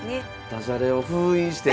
ダジャレを封印して。